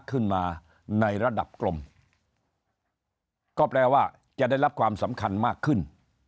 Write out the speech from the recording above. ขึ้นมาในระดับกลมก็แปลว่าจะได้รับความสำคัญมากขึ้น